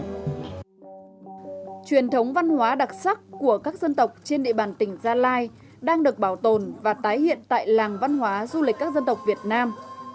truyền thống văn hóa đặc sắc của các dân tộc trên địa bàn tỉnh gia lai đang được bảo tồn và tái hiện tại làng văn hóa du lịch các dân tộc việt nam